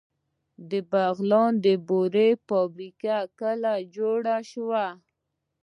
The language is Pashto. د بغلان د بورې فابریکه کله جوړه شوه؟